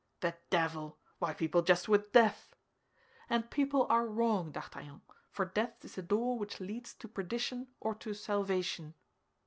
"The devil! Why, people jest with death." "And people are wrong, D'Artagnan; for death is the door which leads to perdition or to salvation."